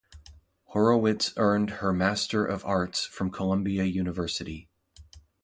Horowitz earned her Master of Arts from Columbia University.